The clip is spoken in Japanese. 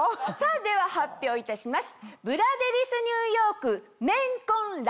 では発表いたします。